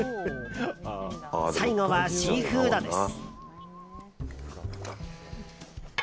最後はシーフードです。